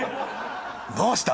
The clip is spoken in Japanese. どうした？